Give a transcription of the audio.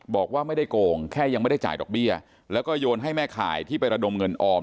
บอกว่าไม่ได้โกงแค่ยังไม่ได้จ่ายดอกเบี้ยแล้วก็โยนให้แม่ข่ายที่ไประดมเงินออม